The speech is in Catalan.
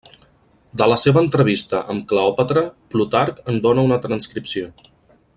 De la seva entrevista amb Cleòpatra, Plutarc en dona una transcripció.